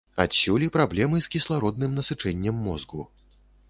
Адсюль і праблемы з кіслародным насычэннем мозгу.